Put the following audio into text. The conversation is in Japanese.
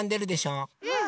うん！